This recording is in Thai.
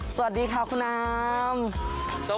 สวัสดีค่ะคุณอาม